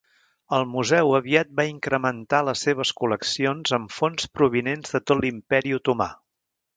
El museu aviat va incrementar les seves col·leccions amb fons provinents de tot l'Imperi otomà.